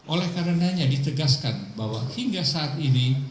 oleh karenanya ditegaskan bahwa hingga saat ini